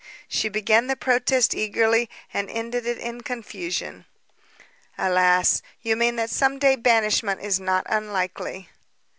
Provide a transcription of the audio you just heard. She began the protest eagerly and ended it in confusion. "Alas, you mean that some day banishment is not unlikely?"